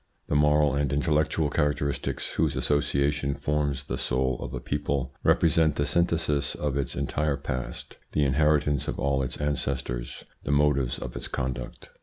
The moral and intellectual characteristics, whose association forms the soul of a people, represent the synthesis of its entire past, the inheritance of all its ancestors, the motives of its conduct.